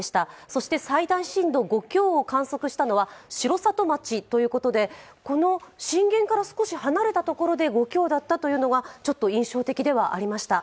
そして最大震度５強を観測したのは城里町ということでこの震源から少し離れたところで５強だったというのがちょっと印象的ではありました。